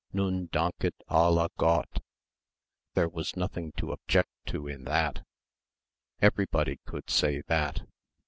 "Nun danket alle Gott." There was nothing to object to in that. Everybody could say that.